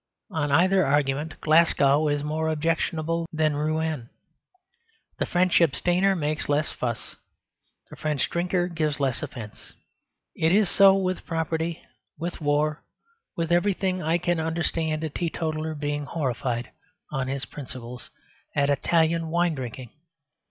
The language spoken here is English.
On either argument Glasgow is more objectionable than Rouen. The French abstainer makes less fuss; the French drinker gives less offence. It is so with property, with war, with everything. I can understand a teetotaler being horrified, on his principles, at Italian wine drinking.